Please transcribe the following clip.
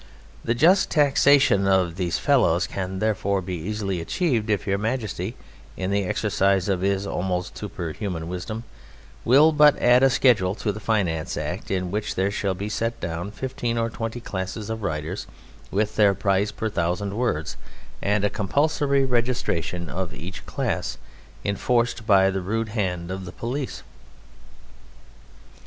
The just taxation of these fellows can therefore be easily achieved if your Majesty, in the exercise of his almost superhuman wisdom, will but add a schedule to the Finance Act in which there shall be set down fifteen or twenty classes of writers, with their price per thousand words, and a compulsory registration of each class, enforced by the rude hand of the police."